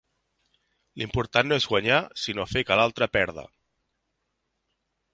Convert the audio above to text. L'important no és guanyar, sinó fer que l'altre perda.